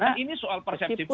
nah ini soal persepsi pun